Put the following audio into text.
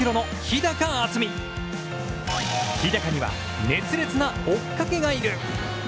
日高には、熱烈な追っかけがいる！